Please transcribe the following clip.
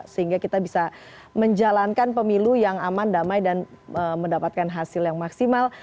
sehingga kita bisa menjalankan pemilu yang aman damai dan mendapatkan hasil yang maksimal